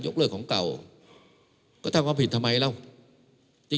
ยกเลือกของเก่าก็ทำความผิดทำไมเรากลับได้